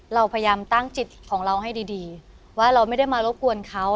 เราพยายามตั้งจิตของเราให้ดีว่าเราไม่ได้มารบกวนเขา